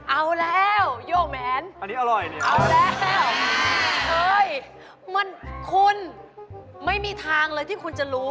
เอาแล้วโยอล์แมนถ์เอาแล้วคุณไม่มีทางที่คุณจะรู้